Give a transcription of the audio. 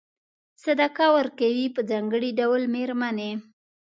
صدقه ورکوي په ځانګړي ډول مېرمنې.